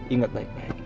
ingat baik baik ya